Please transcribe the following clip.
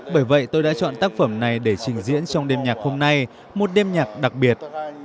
bởi vậy tôi đã chọn tác phẩm này để trình diễn trong đêm nhạc hôm nay một đêm nhạc đặc biệt